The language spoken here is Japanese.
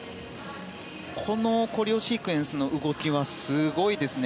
コレオシークエンスの動きはすごいですね。